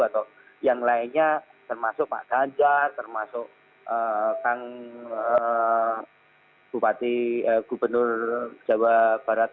atau yang lainnya termasuk pak ganjar termasuk kang bupati gubernur jawa barat